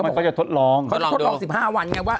มันจะทดลอง